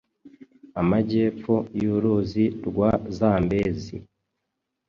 amajyepfo y'uruzi rwa Zambezi